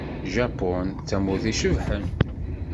Japun d tamurt icebḥen.